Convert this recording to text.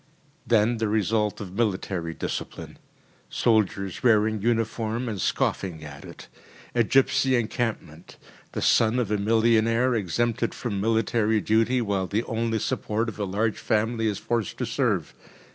Then the result of military discipline: soldiers wearing uniform and scoffing at it. A gipsy encampment. The son of a millionaire exempted from military duty, while the only support of a large family is forced to serve.